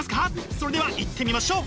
それではいってみましょう！